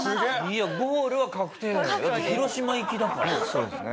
いやゴールは確定だよ。